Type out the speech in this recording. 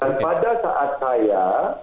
dan pada saat saya